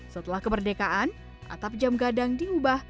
setelah kemerdekaan atap jam gadang diubah